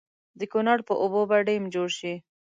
د کنړ پر اوبو به ډېم جوړ شي.